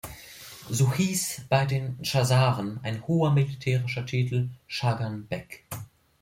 So hieß bei den Chasaren ein hoher militärischer Titel "Chagan Bek".